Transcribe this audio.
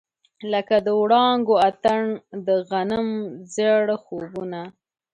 لکه د وړانګو اتڼ، د غنم ژړ خوبونه